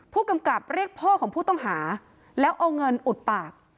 ผู้กำกับเรียกพ่อของผู้ต้องหาแล้วเอาเงินอุดปาก